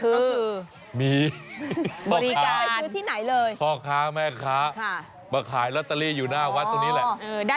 คือมีบริการพ่อค้าแม่ค้ามาขายลัตเตอรี่อยู่หน้าวัดตรงนี้แหละ